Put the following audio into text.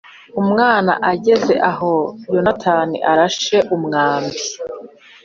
Umwana ageze aho Yonatani arashe umwambi